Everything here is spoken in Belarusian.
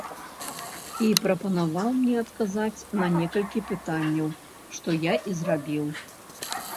І прапанаваў мне адказаць на некалькі пытанняў, што я і зрабіў.